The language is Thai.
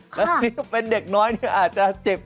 สกิดยิ้ม